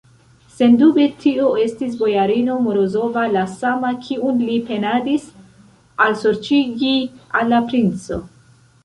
Sendube, tio estis bojarino Morozova, la sama, kiun li penadis alsorĉigi al la princo.